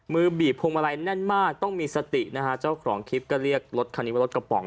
บีบพวงมาลัยแน่นมากต้องมีสตินะฮะเจ้าของคลิปก็เรียกรถคันนี้ว่ารถกระป๋อง